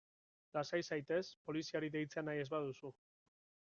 Lasai zaitez poliziari deitzea nahi ez baduzu.